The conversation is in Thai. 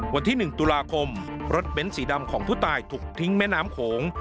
วันที่๑ตุลาคมรถเบ้นสีดำของผู้ตายถูกทิ้งแม่น้ำโขง